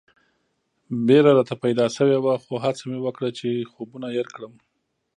بېره راته پیدا شوې وه خو هڅه مې وکړه چې خوبونه هېر کړم.